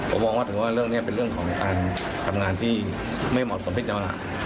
ผมมองว่าถือว่าเรื่องนี้เป็นเรื่องของการทำงานที่ไม่เหมาะสมที่จะมา